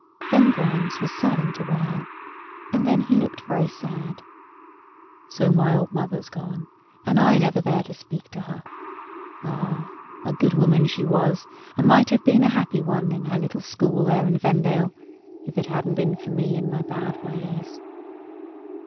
Then Grimes was silent awhile; and then he looked very sad. "So my old mother's gone, and I never there to speak to her! Ah! a good woman she was, and might have been a happy one, in her little school there in Vendale, if it hadn't been for me and my bad ways."